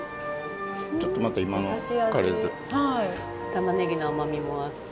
たまねぎの甘みもあって。